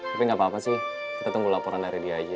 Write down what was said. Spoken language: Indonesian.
tapi gapapa sih kita tunggu laporan dari dia aja